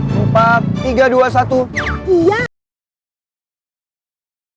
begang dulu daerah perut gue kalo gak gue lambat terserah